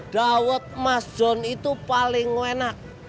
dawet mas john itu paling enak